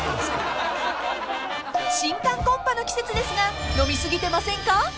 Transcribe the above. ［新歓コンパの季節ですが飲みすぎてませんか？］